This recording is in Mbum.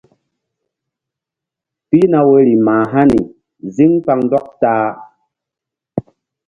Pihna woyri mah hani zíŋ kpaŋndɔk ta-a.